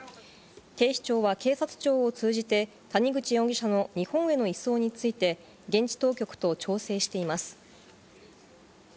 警視庁は警察庁を通じて、谷口容疑者の日本への移送について現地当局と調整しています。